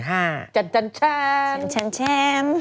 จันจันจันจันจันจัน